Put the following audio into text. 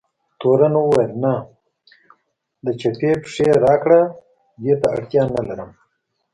تورن وویل: نه، د چپې پښې راکړه، دې ته اړتیا نه لرم.